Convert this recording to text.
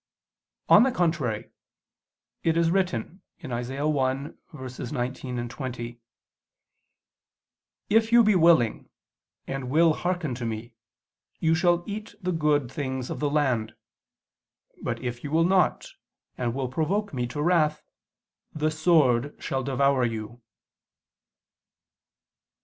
On the contrary, It is written (Isa. 1:19, 20): "If you be willing, and will hearken to Me, you shall eat the good things of the land. But if you will not, and will provoke Me to wrath: the sword shall devour you."